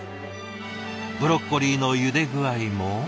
ブロッコリーのゆで具合も。